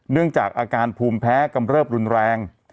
เนื่องจากอาการภูมิแพ้กำเริบรุนแรง